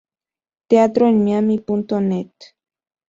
Teatro en Miami punto Net.